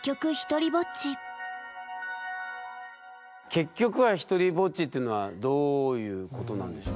結局はひとりぼっちっていうのはどういうことなんでしょう？